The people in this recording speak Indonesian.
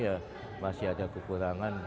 ya masih ada kekurangan